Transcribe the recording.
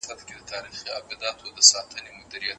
افغانستان کوم ډول ماشین الات له روسیې څخه راوړي؟